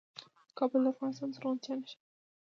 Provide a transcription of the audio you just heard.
کابل د افغانستان د زرغونتیا نښه ده.